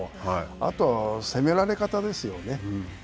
あとは攻められ方ですよね。